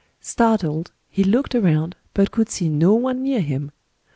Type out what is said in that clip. Startled, he looked around, but could see no one near him.